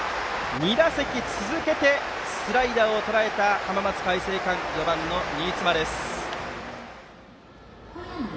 ２打席続けてスライダーをとらえた浜松開誠館４番の新妻です。